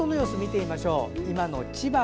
それでは外の様子見てみましょう。